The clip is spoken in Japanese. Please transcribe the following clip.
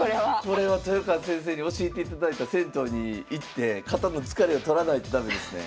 これは豊川先生に教えていただいた銭湯に行って肩の疲れを取らないと駄目ですね。